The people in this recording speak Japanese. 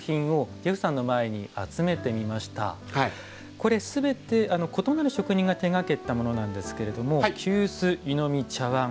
これ全て異なる職人が手がけたものなんですけれども急須湯飲み茶わん